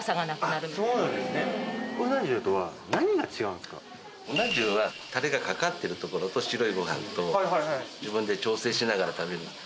うな重はタレがかかってるところと白いご飯と自分で調整しながら食べる。